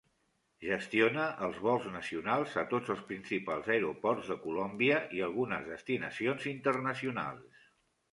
Gestiona els vols nacionals a tots els principals aeroports de Colòmbia i algunes destinacions internacionals.